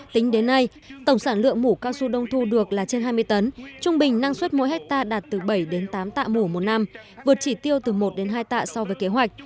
tính đến nay tổng sản lượng mũ cao su đông thu được là trên hai mươi tấn trung bình năng suất mỗi hectare đạt từ bảy đến tám tạ mũ một năm vượt chỉ tiêu từ một đến hai tạ so với kế hoạch